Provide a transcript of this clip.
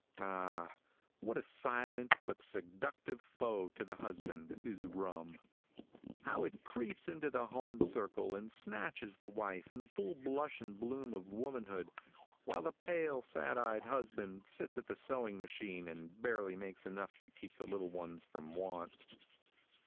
Ah, what a silent, but seductive foe to the husband is rum! How it creeps into the home circle and snatches the wife in the full blush and bloom of womanhood, while the pale, sad eyed husband sits at the sewing machine and barely makes enough to keep the little ones from want.